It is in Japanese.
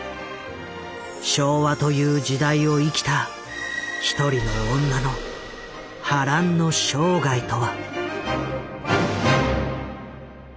「昭和」という時代を生きた一人の女の波乱の生涯とは。